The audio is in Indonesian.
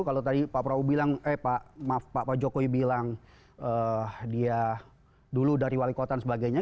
kalau tadi pak jokowi bilang dia dulu dari wali kota dan sebagainya